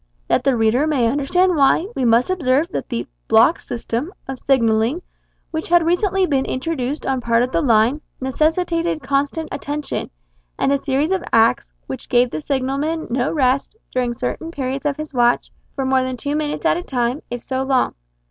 That the reader may understand why, we must observe that the "block system" of signalling, which had recently been introduced on part of the line, necessitated constant attention, and a series of acts, which gave the signalman no rest, during certain periods of his watch, for more than two minutes at a time, if so long.